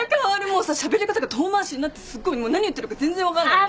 もうさしゃべり方が遠回しになってすごいもう何言ってるか全然分かんない。